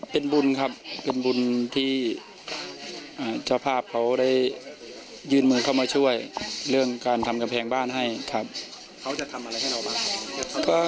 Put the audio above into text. เป็นบุญครับเป็นบุญที่เจ้าภาพเขาได้ยื่นมือเข้ามาช่วยเรื่องการทำกำแพงบ้านให้ครับ